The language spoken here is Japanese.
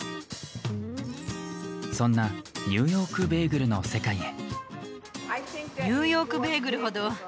そんなニューヨークベーグルの世界へ。